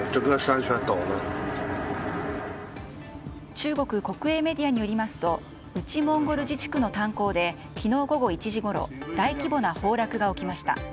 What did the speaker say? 中国国営メディアによりますと内モンゴル自治区の炭鉱で昨日午後１時ごろ大規模な崩落が起きました。